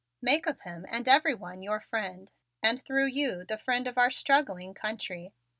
Make of him and everyone your friend and through you the friend of our struggling country.